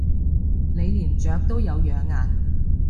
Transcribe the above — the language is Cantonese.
你連雀都有養啊？